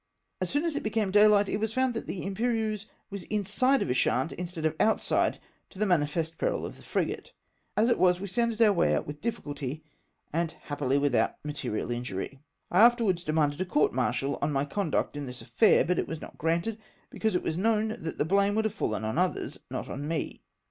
As soon as it became daylight, it was found that the Imperieuse was inside of Ushant, instead of outside, to the manifest peril of the frigate. As it was, we p 2 212 JOIX THE SQUADRON IX THE BASQUE EOADS. sounded our way out with difficulty, and happily with out material injiu y. I afterwards demanded a court martial on my con duct in tliis afFau^ but it was not granted ; because it was known that the blame would have fallen on others, not on me.